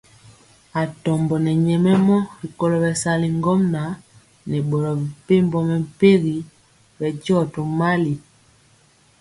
Atɔmbɔ nɛ nyɛmemɔ rikolo bɛsali ŋgomnaŋ nɛ boro mepempɔ mɛmpegi bɛndiɔ tomali.